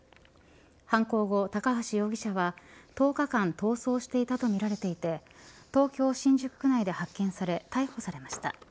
犯行後、高橋容疑者は１０日間逃走していたとみられていて東京・新宿区内で発見され逮捕されました。